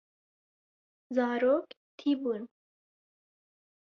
Zarok tî bûn.